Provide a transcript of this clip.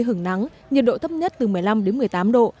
hứng nắng nhiệt độ thấp nhất từ một mươi năm đến một mươi tám độ